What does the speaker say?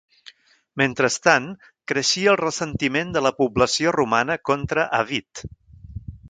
Mentrestant, creixia el ressentiment de la població romana contra Avit.